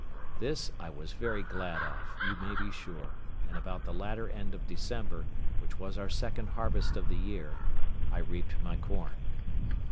This I was very glad of, you may be sure, and about the latter end of December, which was our second harvest of the year, I reaped my corn.